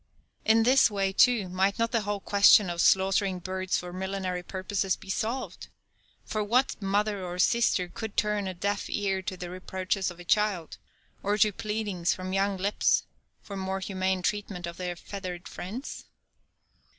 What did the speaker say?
In this way, too, might not the whole question of slaughtering birds for millinery purposes be solved, for what mother or sister could turn a deaf ear to the reproaches of a child, or to pleadings from young lips for more humane treatment of their feathered friends?